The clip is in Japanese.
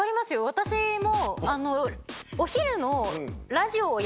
私も。